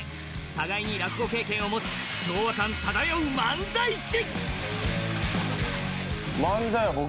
互いに落語経験を持つ昭和感漂う漫才師。